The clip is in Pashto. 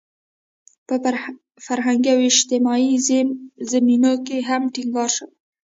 پر فرهنګي او اجتماعي زمینو یې هم ټینګار شوی.